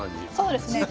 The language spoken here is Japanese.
そうですね。